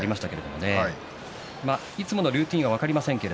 いつものルーティンは分かりませんが。